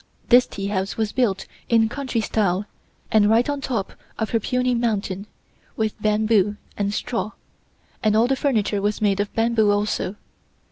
This teahouse was built in country style, and right on top of her peony mountain, with bamboo and straw, and all the furniture was made of bamboo also.